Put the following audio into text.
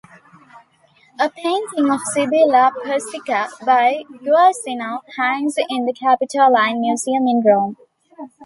A painting of Sibilla Persica by Guercino hangs in the Capitoline Museum in Rome.